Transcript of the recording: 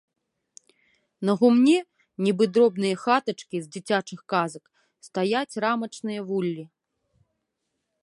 На гумне, нібы дробныя хатачкі з дзіцячых казак, стаяць рамачныя вуллі.